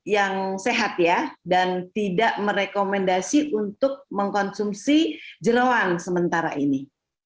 yang sehat ya dan tidak merekomendasi untuk mengkonsumsi jerawan sementara ini